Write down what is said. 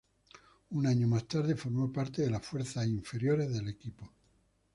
Un año más tarde, formó parte de las fuerzas inferiores del equipo.